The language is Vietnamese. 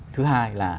thứ hai là